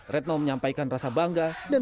retno menyampaikan rasa bangga dan